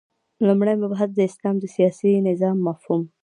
لومړی مبحث : د اسلام د سیاسی نظام مفهوم